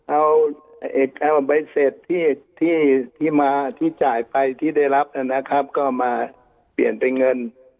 เอาเอกสารใบเสร็จที่มาที่จ่ายไปที่ได้รับนะครับก็มาเปลี่ยนเป็นเงิน